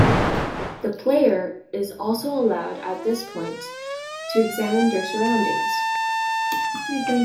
The player is also allowed at this point to examine their surroundings.